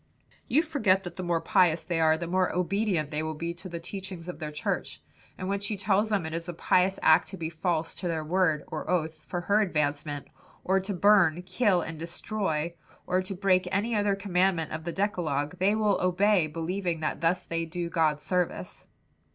"You forget that the more pious they are, the more obedient they will be to the teachings of their church, and when she tells them it is a pious act to be false to their word or oath, for her advancement, or to burn, kill and destroy, or to break any other commandment of the decalogue, they will obey believing that thus they do God service.